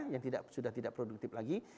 yang sudah tidak produktif lagi